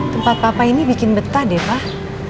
tempat papa ini bikin betah deh pak